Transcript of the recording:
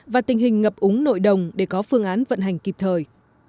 và tình hình ngập úng nội đồng để có phương án vận hành kịp thời